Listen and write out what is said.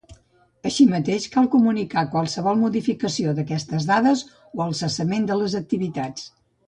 Així mateix, cal comunicar qualsevol modificació d'aquestes dades o el cessament de les activitats.